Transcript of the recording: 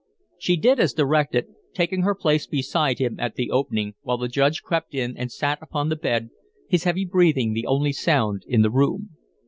She did as directed, taking her place beside him at the opening, while the Judge crept in and sat upon the bed, his heavy breathing the only sound in the room.